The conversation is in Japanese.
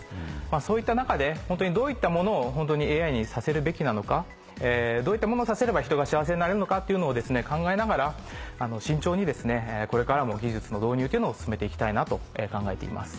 そういった中でホントにどういったものをＡＩにさせるべきなのかどういったものをさせれば人が幸せになれるのかっていうのを考えながら慎重にこれからも技術の導入というのを進めていきたいなと考えています。